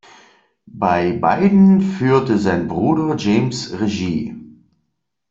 Bei beiden führte sein Bruder James Regie.